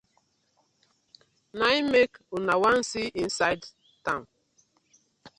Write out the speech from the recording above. Na im mek una wan see inside town.